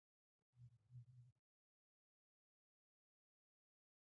دښته له اسمان سره خبرې کوي.